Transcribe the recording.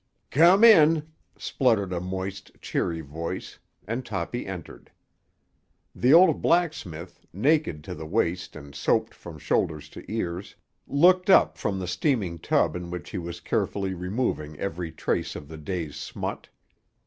"Come in," spluttered a moist, cheery voice, and Toppy entered. The old blacksmith, naked to the waist and soaped from shoulders to ears, looked up from the steaming tub in which he was carefully removing every trace of the day's smut.